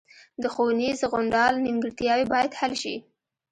د ښوونیز غونډال نیمګړتیاوې باید حل شي